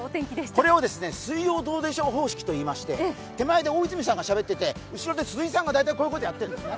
これを「水曜どうでしょう」方式といいまして手前で大泉さんがしゃべってて、後ろで鈴木さんが大体こういうことをやっているんです。